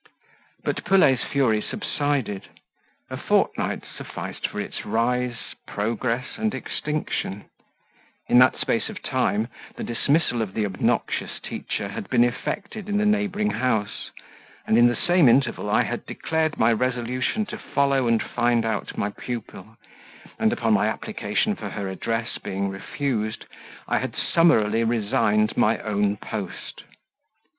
But Pelet's fury subsided; a fortnight sufficed for its rise, progress, and extinction: in that space of time the dismissal of the obnoxious teacher had been effected in the neighbouring house, and in the same interval I had declared my resolution to follow and find out my pupil, and upon my application for her address being refused, I had summarily resigned my own post.